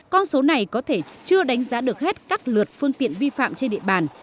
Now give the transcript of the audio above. con số này có thể chưa đánh giá được hết các lượt phương tiện vi phạm trên địa bàn